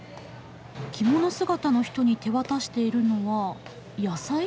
着物姿の人に手渡しているのは野菜？